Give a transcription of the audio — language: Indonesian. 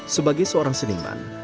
sebagai seorang seniman